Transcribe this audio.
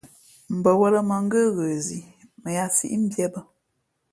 Mbαwᾱlᾱ mα̌ ngə́ ghə zǐ mα yāā síʼ mbīē bᾱ.